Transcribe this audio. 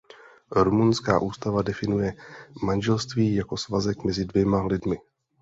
Rumunská ústava definuje manželství jako svazek mezi dvěma lidmi.